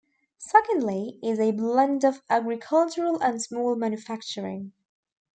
Secondly is a blend of agricultural and small manufacturing.